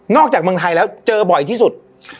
จากเมืองไทยแล้วเจอบ่อยที่สุด